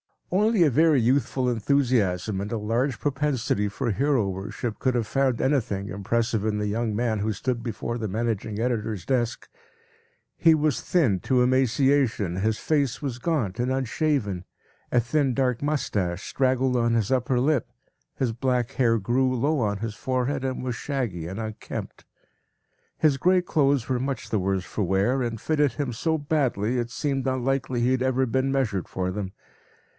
p> Only a very youthful enthusiasm and a large propensity for hero worship could have found anything impressive in the young man who stood before the managing editor’s desk. He was thin to emaciation, his face was gaunt and unshaven, a thin dark moustache straggled on his upper lip, his black hair grew low on his forehead and was shaggy and unkempt. His grey clothes were much the worse for wear and fitted him so badly it seemed unlikely he had ever been measured for them.